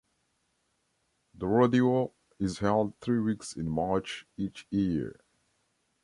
The rodeo is held three weeks in March, each year.